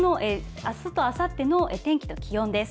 あすとあさっての天気と気温です。